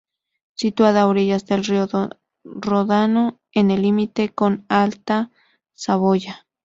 Situada a orillas del río Ródano, en el límite con Alta Saboya.